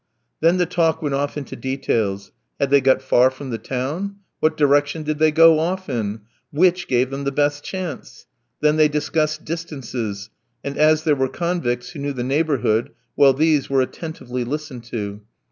Then the talk went off into details: Had they got far from the town? What direction did they go off in? Which gave them the best chance? Then they discussed distances, and as there were convicts who knew the neighbourhood well, these were attentively listened to.